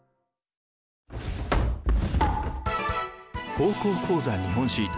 「高校講座日本史」